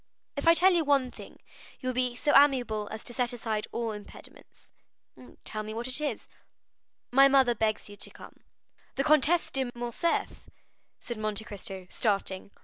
"If I tell you one thing, you will be so amiable as to set aside all impediments." "Tell me what it is." "My mother begs you to come." "The Comtesse de Morcerf?" said Monte Cristo, starting.